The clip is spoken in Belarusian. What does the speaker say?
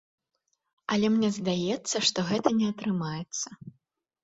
Але мне здаецца, што гэта не атрымаецца.